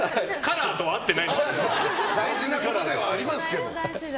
大事なことではありますけど。